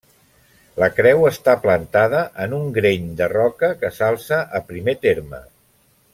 La creu està plantada en un greny de roca que s'alça a primer terme.